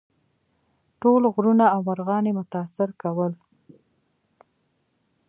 ټول غرونه او مرغان یې متاثر کول.